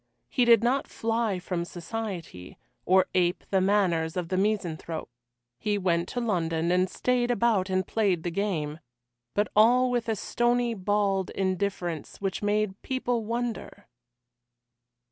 He did not fly from society, or ape the manners of the misanthrope; he went to London, and stayed about and played the game. But all with a stony, bald indifference which made people wonder.